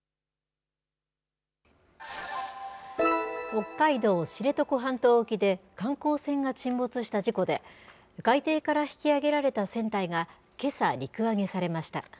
北海道知床半島沖で観光船が沈没した事故で、海底から引き揚げられた船体が、けさ、陸揚げされました。